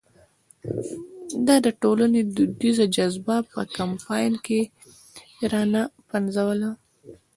ده د ټولنې دودیزه جذبه په کمپاین کې را نه پنځوله.